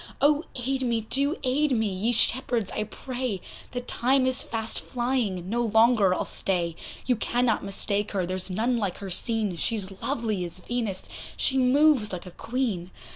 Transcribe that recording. Oh! aid me, do aid me, ye shepherds, I pray! The time is fast flying, no longer I'll stay; You cannot mistake her, there's none like her seen, She's lovely as Venus, she moves like a Queen.